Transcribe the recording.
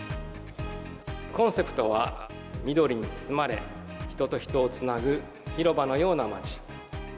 コンセプトは、緑に包まれ、人と人をつなぐ広場のような街。